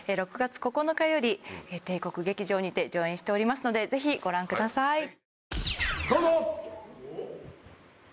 ６月９日より帝国劇場にて上演しておりますのでぜひご覧ください。